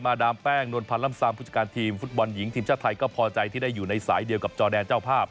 ดามแป้งนวลพันธ์ล่ำซามผู้จัดการทีมฟุตบอลหญิงทีมชาติไทยก็พอใจที่ได้อยู่ในสายเดียวกับจอแดนเจ้าภาพ